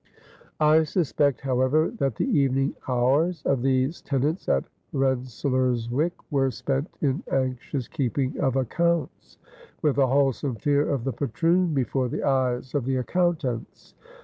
I suspect, however, that the evening hours of these tenants at Rensselaerswyck were spent in anxious keeping of accounts with a wholesome fear of the patroon before the eyes of the accountants.